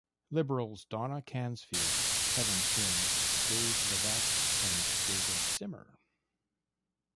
Liberals Donna Cansfield, Kevin Flynn, Dave Levac and David Zimmer.